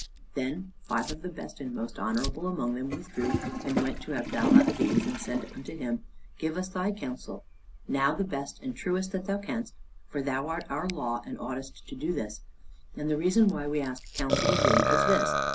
Then five of the best and most honorable among them withdrew, and went to Abdalla Adiz, and said unto him, "Give us thy counsel now the best and truest that thou canst, for thou art of our law, and oughtest to do this: and the reason why we ask counsel of thee is this.